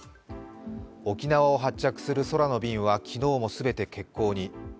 沖縄を発着する空の便は昨日も全て欠航に。